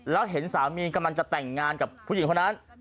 แล้วเห็นสามีกำลังจะแต่งงานกับผู้หญิงคนนั้น